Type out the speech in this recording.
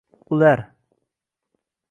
Ular